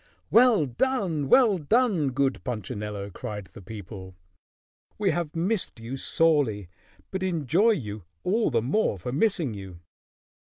"Well done! Well done! Good Punchinello!" cried the people. "We have missed you sorely, but enjoy you all the more for missing you."